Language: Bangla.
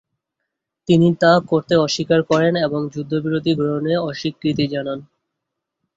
তিনি তা করতে অস্বীকার করেন এবং যুদ্ধবিরতি গ্রহণে অস্বীকৃতি জানান।